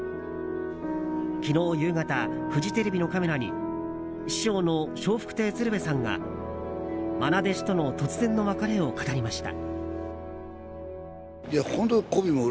昨日夕方、フジテレビのカメラに師匠の笑福亭鶴瓶さんが愛弟子との突然の別れを語りました。